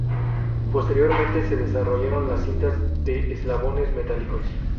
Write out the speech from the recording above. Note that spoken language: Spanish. Posteriormente se desarrollaron las cintas de eslabones metálicos.